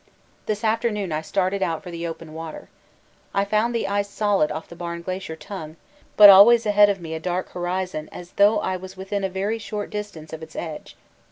This afternoon I started out for the open water. I found the ice solid off the Barne Glacier tongue, but always ahead of me a dark horizon as though I was within a very short distance of its edge.